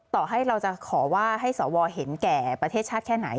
ต่อให้เราจะขอว่าให้สวเห็นแก่ประเทศชาติแค่ไหน